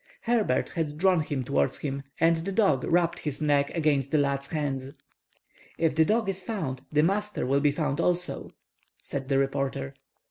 Herbert had drawn him towards him, patting his head; and the dog rubbed his neck against the lad's hands. "If the dog is found, the master will be found also," said the reporter.